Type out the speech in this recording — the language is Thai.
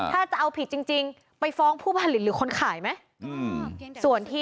ถ้าจะเอาผิดจริงไปฟ้องผู้ผลิตหรือคนขายไหม